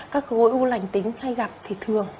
các khối u lành tính hay gặp thì thường